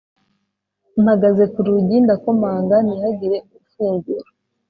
mpagaze kurugi ndakomanga ntihagire ufungura